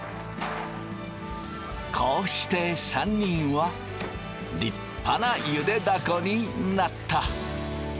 こうして３人は立派なゆでだこになった。